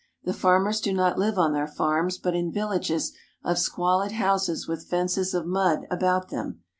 The farmers do not live on their farms but in villages of squalid houses with fences of mud about them.